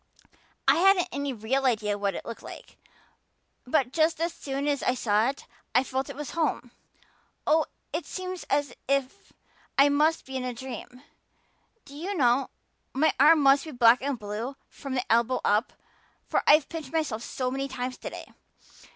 I hadn't any real idea what it looked like. But just as soon as I saw it I felt it was home. Oh, it seems as if I must be in a dream. Do you know, my arm must be black and blue from the elbow up, for I've pinched myself so many times today.